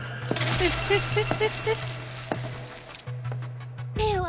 フフフフ。